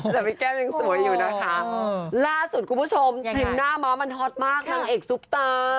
แต่พี่แก้วยังสวยอยู่นะคะ